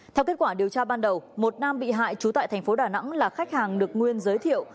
theo kết quả điều tra ban đầu một nam bị hại trú tại thành phố đà nẵng là khách hàng được nguyên giới thiệu